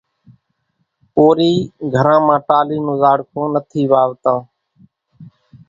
ڪورِي گھران مان ٽالِي نون زاڙکون نٿِي واوتان۔